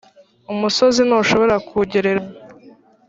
umusozi ntushobora kugereranywa